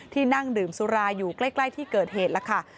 นั่งดื่มสุราอยู่ใกล้ที่เกิดเหตุแล้วค่ะ